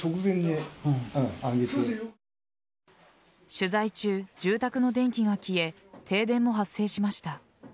取材中、住宅の電気が消え停電も発生しました。